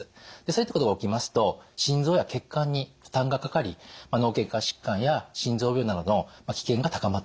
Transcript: そういったことが起きますと心臓や血管に負担がかかり脳血管疾患や心臓病などの危険が高まってしまうということなのです。